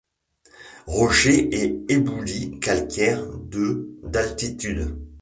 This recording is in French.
Rochers et éboulis calcaires de d'altitude.